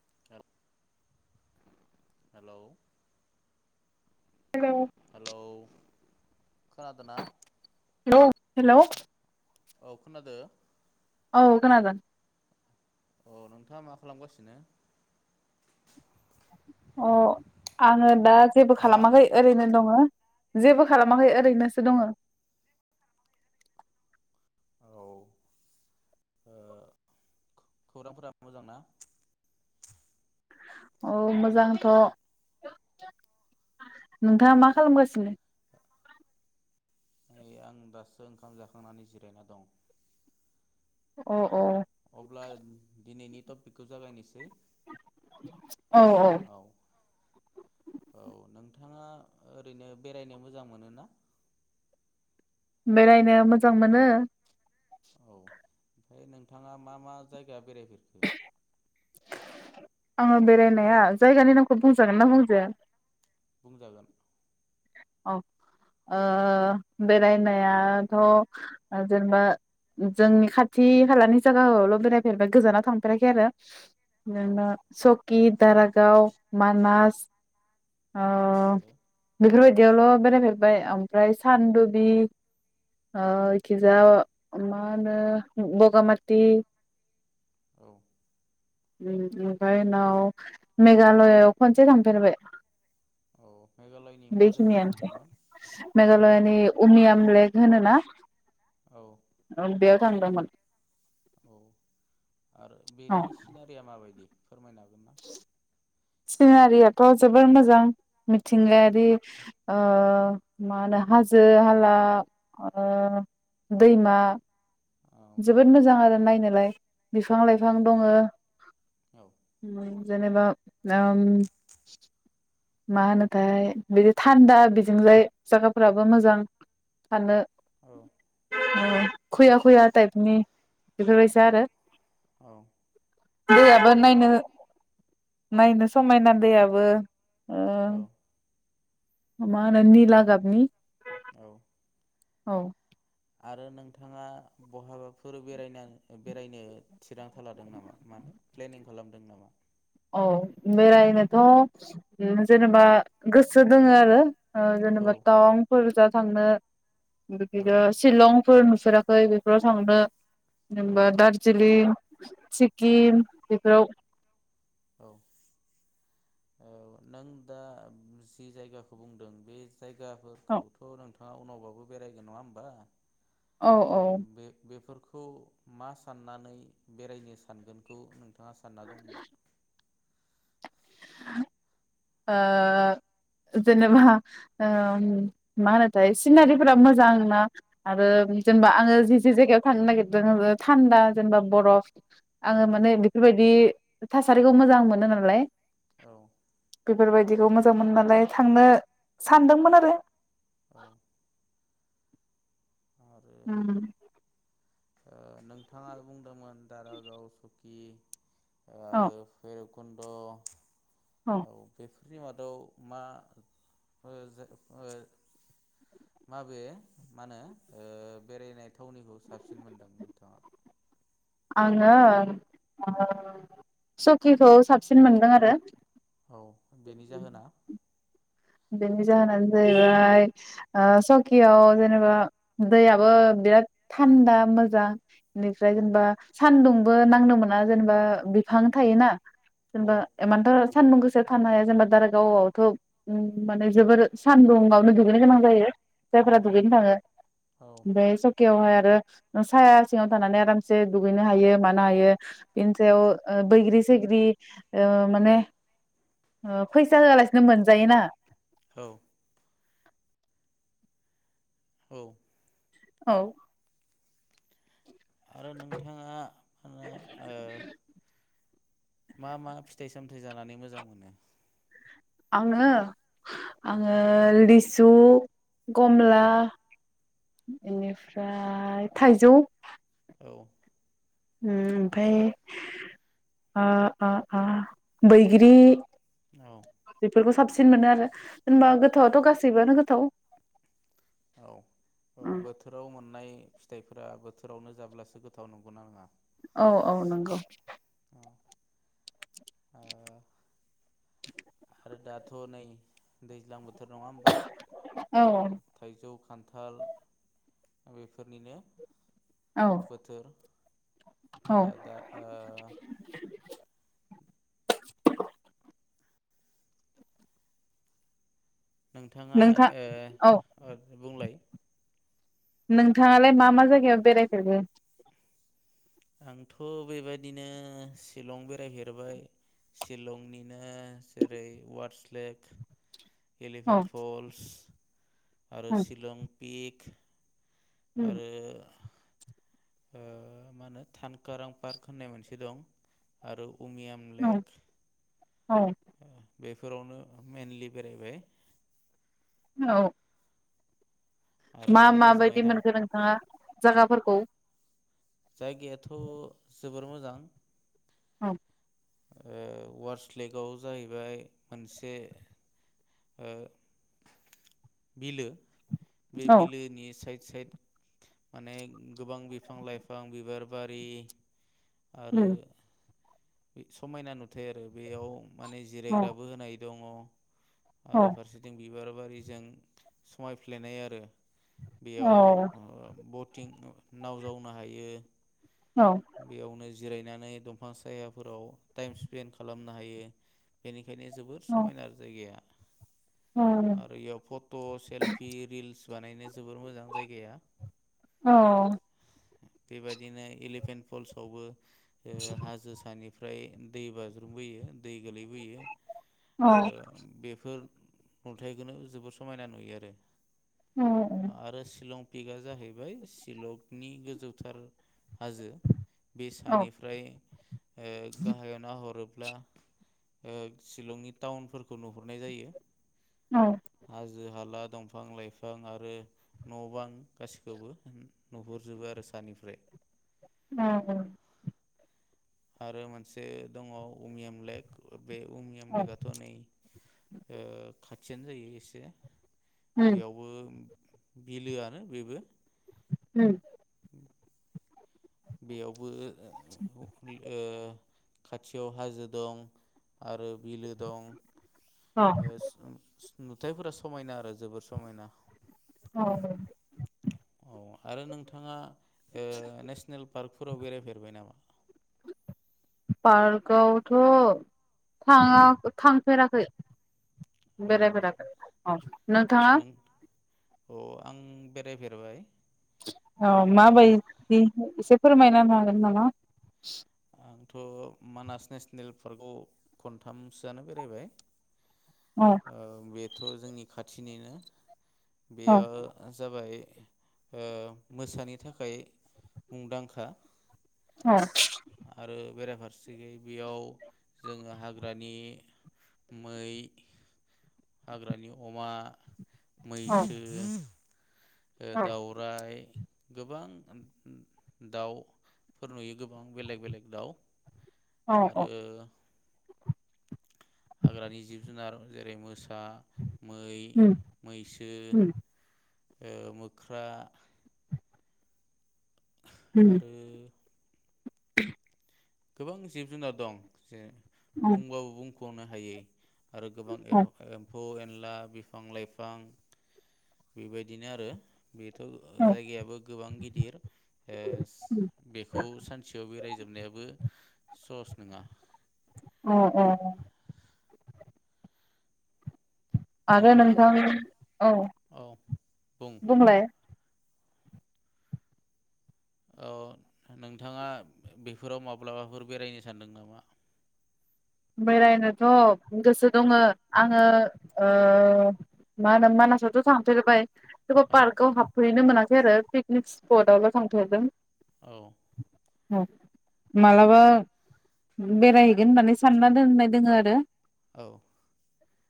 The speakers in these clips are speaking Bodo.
[unintelligible] हेलौ हेलौ खोनादोना? हेलौ हेलौ औ खोनादो। औ खोनादों। अ नोंथाङा मा खालामगासिनो? अ आङो दा जेबो हा खालामाखै ओरैनो दङो जेबो खालामाखै ओरैनोसो दङो। औ ओ खौरांफोरा मोजां ना? औ मोजांथ'। औ नोंथाङा मा खालामगासिनो? नै आं दासो ओंखाम जाखांनानै जिरायना दं। अ अ अब्ला दिनैनि टपिकखौ जागायनोसै औ औ औ नोंथाङा ओरैनो बेरायनो मोजां मोनो ना? बेरायनो मोजां मोनो। औ ओमफ्राय नोंथाङा मा मा जायगायाव बेरायहै आङो बेरायनाया जायगानि नामखौ बुंजागोनना बुंजाया? बुंजागोन। औ ओ बेरायनायाथ' जेनेबा जोंनि खाथि खालानि जागायावल' बेरायफेरबाय गोजानाव थांफेराखै। आरो औ [unintelligible] कि दारागाव मानास। अ आरो बिफोरबादि यावल' बेरायफेरबाय ओमफ्राय सानदुबि ओ औ इखिजा मा होनो बगामाति। औ उम ओ ओमफ्राय उनाव मेघालयआव खनसे थांफेरबाय। औ मेघालयनि माज खिनियानोसै मेघालयानि उमिया लेग होनो ना? औ ओं बेयाव थांदोंमोन। औ आरो औ बेनि सिनारिया माबायदि? फोरमायना हो। [unintelligible] सिनारियाथ' जोबोर मोजां। औ मिथिंगायारि ओफ ओ मा होनो हाजो हाला ओ दैमा। औ जोबोद मोजां आरो नायनोलाय। बिफां औ लाइफां दङो उम। जेनेबा [unintelligible] मा होनोथाय बिदि थान्दा बिजोंजाय जायगाफोराबो मोजां थानो। औ। खुया खुया टाइपनि औ बेफोरबायसा आरो औ औ दैयाबो नों नायनो नायनो समायना दैयाबो ओ औ। मा होनो निला गाबनि औ। औ। आरो नोंथाङा बहाबाफोर बेरायना बेरायनो थिरांथा लादों नामा माने प्लेनिं खालामदों नामा? औ बेरायनोथ' जेनेबा गोसो दोङो आरो। ओ औ जेनेबा तावांफोर जा थांनो औ बिदिनो शिलंफोर नुफेरा खै बेफोराव थांनो औ जेनबा दार्जिलिं औ सिक्किम बेफोराव औ औ नों दा जि जायगाखौ बुंदों बे औ जायगाफोरखौथ नोंथा ङा उनावबाबो बेरायगोन नङा होनोमबा। औ ओ बे बेफोरखो खौ मा साननानै बेरायनो सानगोनखौ नों नोथांङा सानना दंमोन। ओ जेनेबा उम मा होनोथाय सिनारिफोरा मोजां ना आरो औ जेनेबा आङो जि जे जायगायाव थांनो नागिरदों थान्दा जेनेबा बरफ आङो औ माने बेफोरबायदि थासारिखौ मोजां मोनो नालाय। औ। बेफोरबायदिखौ मोजां मोनो नालाय थांनो सानदोंमोन आरो। औ। आरो उम। ओ नोंथाङा बुंदोंमोन दारागाव सुकि औ। भैखुन्द औ औ बेफो निमादाव मा ओ जे ओ माबे मा होनो ओ बेरायनाय थावनिखौ साबसि थांङा। आङो ओ सकिखौ साबसिन मोनदों आरो औ बेनि जाहोना? बेनि जाहोनानो जाहैबाय ओ सकियाव जेनेबा दैयाबो बिराद थान्दा मोजां। बेनिफ्राय औ जेनेबा सान्दुं बो नांनो मोना जेनेबा बिफां थायोना। जेनबा औ इमानथो सानदुं गोसा थानो हाया जेनेबा दारागावआवथ ओं माने जोबोर सान्दुंआवनो दुगैनो गोनां जायो। जायफोरा औ दुगैनो थाङो औ ओमफ्राय सकियावहाय ओ साया सिङाव थानानै आरामसे दुगैनो हायो मनो हायो बिनि सायाउ बैग्रि सैग्रि ओ माने फैसा होयालासे जायोना। औ औ औ आरो नोंथाङा ओ ओ मा मा फिथाइ सामथाइ जानानै मोजां मोनो? आङो आङो लिस सु कमला औ इनिफ्राय थाइजौ औ ओम फाय आ आ आ बैग्रि औ बेफोरखौ साबसि सिन मोनो आरो जेनबा गोथावथ गासैबोआनो गोथाव। औ औ बोथोराव मोननाय फिथाइफोरा बोथोरावनो जाब्लासो गोथाव नंगौना नङा? औ औ नंगौ। आ ह आरो दाथ नै दैज्लां बोथ थोर नङा ओमबा औ थाइजौ खान्थाल बेफोरनिनो औ बोथोर औ ओ दा ओ नोंथाङा नोंथां औ ओ ओ बुंलाय नोंथाङालाय मा मा जायगायाव बेरायफेरखो? आंथ' बेबायदिनो सिलं बेरायफेरबाय सिलंनिनो जेरै- वार्स लेक औ इलेफेन्ट फलस आरो औ सिलं पिक आरो ओ मा होनो थानकारां पार्क होननाय मोनसे दं आरो उमियाम औ लेक औ ओ बेफोरावनो मेनलि बेरायबाय औ आरो मा ओजोंहाय माबायदि थां मोनखो नोंथाङा जागाफोर खौ जायगायाथ' जोबोर मोजां। औ ओ वार्स लेकाव जाहैबाय मोनसे ओ बिलो बे औ बिलोनि सायद साइड माने गोबां बिफां लाइफां बिबार बारि आरो बे समायना नु थाय आरो बेयाव माने औ जिरायग्राबो होनाय दङ औ आरो फारसेथिं बिबार बारिजों समायफ्लेनाय आरो बेयाव ओ बड थिं नाव जावनो हायो औ बेयावनो जिरायनानै दंफां सायाफोराव टाइम स्पेन्ड खालामनो हायो बेनिख खायनो जोबोर औ समायना जायगाया औ आरो इयाव फट' सेलफि रिल्स बानायनो जोबोर मोजां जायगाया औ बेबायदिनो एलिफेन्ट फल्सआवबो ए हाजो सानि ओमफ्राय दै बाज्रुमबोयो दै। गोलैबोयो औ ओ बेफ फोर नुथायखौनो जोबोर समायना नुयो आरो। औ आरो शिलं टपिकआ जाहैबाय शिलंनि गोजौथार हाजो बे औ सानिफ्राय ओ गाहायाव नाहरो। ब्ला ओ शिलंनि टाउनफोरखौ नुह हुरनाय जायो। हाजो-हाला। दंफां-लाइफां आरो न' बां गासिखौबो उम नुहुरजोबो आरो सानिफ्राय। अ। आरो मोनसे दङ उमियाम लेक बे उमियाम लेकआथ' नै ओ खाथियानो जायो एसे। उम बेयावबो उम बिलोआनो बेबो। उम। बेयावबो ओ ओ अखनिख ओ खाथियाव हाजो दं आरो बिलो दं। औ ओ [unintelligible] नुथायफोरा समायना आरो जोबोर समायना‌। [unintelligible] औ आरो नोंथाङा ओ नेसनेल पार्कफोराव बेरायफेरबाय नामा? पार्कआवथ' थाङा थांफेराखै। औ बेरायफेराखै औ नोंथाङा अ आं बेरायफेरबाय। औ मा ओ बायदि एसे फोरमायना होनो हागोन नामा? आंथ' मानास नेसनेल पार्कआव खनथामसोआनो बेरायबाय। औ ओ बे बेथ' जोंनि खाथिनिनो औ बेयो जाबाय ओ मोसानि थाखाय मुंदांखा। औ आरो बेराफारसेयै बेयाव जोङो हाग्रानि मै हाग्रानि अमा औ मैसो ओ औ दाउराइ गोबां दाउफोर नुयो गोबां बेलेग बेलेग दाउ औ औ आरो हाग्रानि जिब जुनार जेरै मोसा मै उम मैसो उम ओ मोख्रा उम आरो [unintelligible] गोबां जिब जुनार दं जे बुंबाबो बुंख ख'नो हायै आरो गोबां औ एम एम्फौ ए अनला बिफां लाइफां बेबायदिनो आरो बेथ' जायगायाबो गोबां गिदिर ओ बेखौ सानसेयाव बेरायजोबनायाबो स'हस नोङा औ औ आरो नोंथाङा नोंथां औ औ बुं बुंलाय ओ नोंथाङा बेफोराव माब्लाबाफोर बेरायनो सानदों नामा? बेरायनोथ' गोसो दङ आङो ओ मा होनो मानासावथ' थांफेरबाय थेवबो औ पार्कआव हाबफेरनो मोनाखै बे आरो पिकनिक स्पटआवल' थांफेरदों औ अ मालाबा बेरायहैगोन होननानै सानना दोंननाय दोङो आरो औ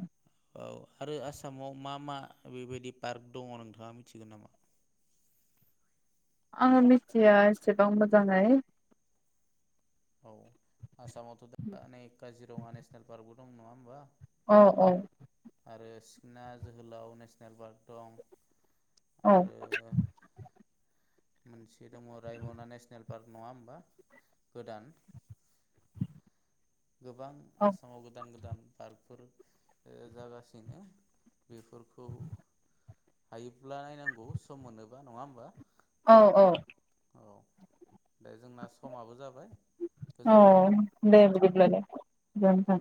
ओम औ आरो आसामाव मा मा बेबायदि पार्क दङ नोंथाङा मिथिगोन नामा? आङो मिथिया एसेबां मोजाङै औ आसामाव थ' दा नै काजिरङा नेसनेल पार्क बो दं नङा होमबा? औ औ आरो सिखना जोहोलाव नेसनेल पार्क दं औ आरो मोनसे दङ रायमना नेसनेल पार्क नङा होमबा? गोदान गोबां औ आसामाव गोदान गोदान पार्कफोर ओ जागासिनो बेफोरखौ हायोब्ला नायनांगौ सम मोनोबा नङा होमबा? औ औ औ दे जोंना समाबो जाब औ दे बिदि ब्लालाय गोजोनथों।